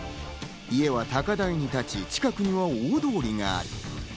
家は高台に立ち、近くには大通りがある。